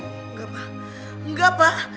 enggak pak enggak pak